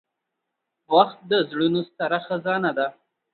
• وخت د زړونو ستره خزانه ده.